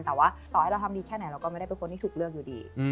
แต่ว่าต่อให้เราทำดีแค่ไหนเราก็ไม่ได้เป็นคนที่ถูกเลือกอยู่ดี